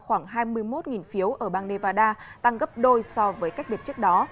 khoảng hai mươi một phiếu ở bang nevada tăng gấp đôi so với cách biệt trước đó